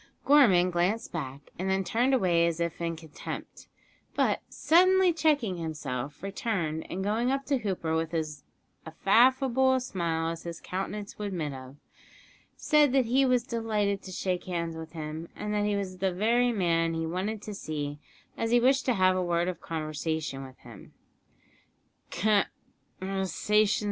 Gorman glanced back, and then turned away as if in contempt, but, suddenly checking himself, returned, and going up to Hooper with as affable a smile as his countenance would admit of, said that he was delighted to shake hands with him, and that he was the very man he wanted to see, as he wished to have a word of conversation with him.